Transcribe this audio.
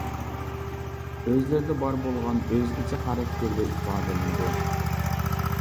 ئۆزلىرىدە بار بولغان ئۆزگىچە خاراكتېردە ئىپادىلىنىدۇ.